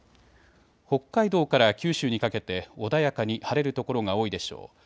北海道から九州にかけて穏やかに晴れる所が多いでしょう。